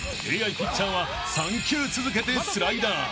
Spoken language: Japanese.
［ＡＩピッチャーは３球続けてスライダー］